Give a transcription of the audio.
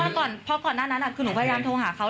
ใช่ค่ะเพราะว่าก่อนหน้านั้นหนูพยายามโทรหาเขา